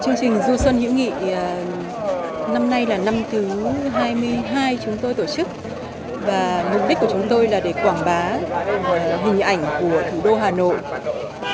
năm nay là năm thứ hai mươi hai chúng tôi tổ chức và mục đích của chúng tôi là để quảng bá hình ảnh của thủ đô hà nội